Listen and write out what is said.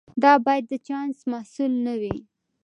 دا باید د چانس محصول نه وي.